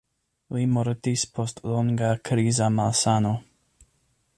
Li mortis post longa kriza malsano.